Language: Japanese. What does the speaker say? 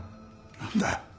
何だよ。